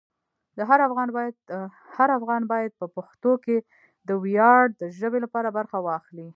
هر افغان باید په پښتو کې د ویاړ د ژبې لپاره برخه واخلي.